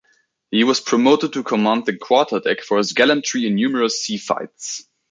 He was promoted to command the quarterdeck for his gallantry in numerous sea fights.